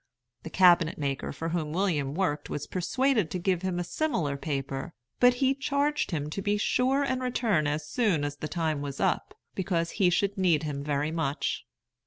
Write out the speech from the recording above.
The cabinet maker for whom William worked was persuaded to give him a similar paper, but he charged him to be sure and return as soon as the time was up, because he should need him very much.